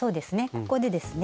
ここでですね